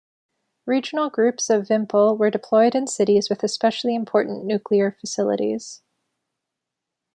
Regional groups of Vympel were deployed in cities with especially important nuclear facilities.